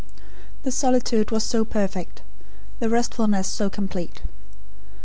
The solitude was so perfect; the restfulness so complete.